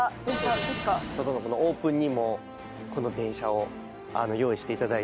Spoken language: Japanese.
そうです外のこのオープンにもこの電車を用意していただいて